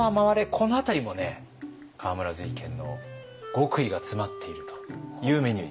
この辺りもね河村瑞賢の極意が詰まっているというメニューになります。